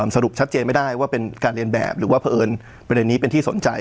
สรุปชัดเจนไม่ได้ว่าเป็นการเรียนแบบหรือว่าเผอิญประเด็นนี้เป็นที่สนใจ